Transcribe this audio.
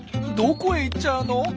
「どこへ行っちゃうの？